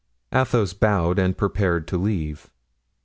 Athos bowed and prepared to leave.